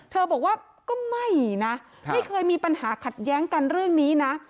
บอกว่าก็ไม่นะไม่เคยมีปัญหาขัดแย้งกันเรื่องนี้นะ